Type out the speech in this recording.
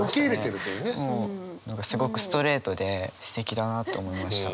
もう何かすごくストレートですてきだなと思いました。